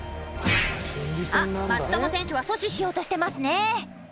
あっ、松友選手は阻止しようとしてますね。